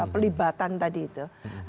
pelibatan tadi itu